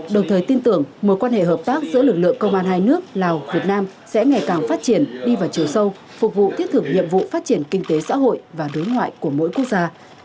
đồng thời tin tưởng mối quan hệ hợp tác giữa lực lượng công an hai nước lào việt nam sẽ ngày càng phát triển đi vào chiều sâu phục vụ thiết thực nhiệm vụ phát triển kinh tế xã hội và đối ngoại của mỗi quốc gia